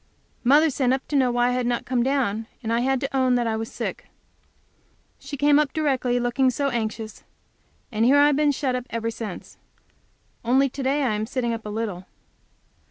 Mother sent up to know why I did not come down, and I had to own that I was sick. She came up directly looking so anxious! And here I have been shut up ever since; only to day I am sitting up a little.